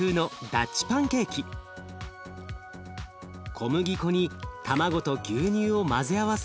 小麦粉に卵と牛乳を混ぜ合わせ。